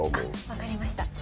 わかりました。